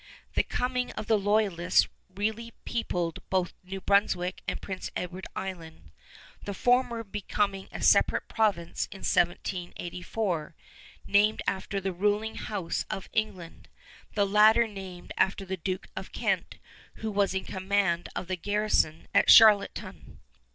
The coming of the Loyalists really peopled both New Brunswick and Prince Edward Island: the former becoming a separate province in 1784, named after the ruling house of England; the latter named after the Duke of Kent, who was in command of the garrison at Charlottetown.